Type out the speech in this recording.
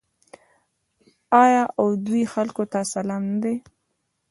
آیا او د دوی خلکو ته سلام نه دی؟